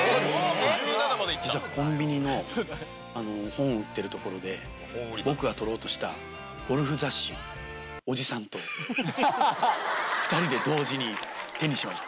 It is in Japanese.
実はコンビニの本を売ってるところで、僕が取ろうとしたゴルフ雑誌を、おじさんと、２人で同時に手にしました。